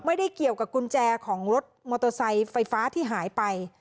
ไม่ได้เกี่ยวกับกุญแจของรถมอเตอร์ไซค์ไฟฟ้าที่หายไป